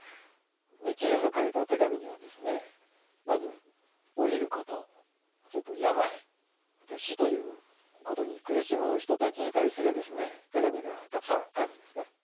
日蓮が書いた手紙にはですねまず老いることそれと病死ということに苦しむ人たちに対する手紙がたくさんあるんですね。